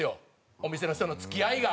お店の人との付き合いが。